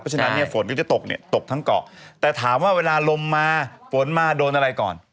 เพราะฉะนั้นฝนก็จะตกทั้งเกาะแต่ถามว่าเวลาลมมาฝนมาโดนอะไรก่อน